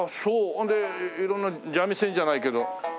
ほんで色んな蛇味線じゃないけど。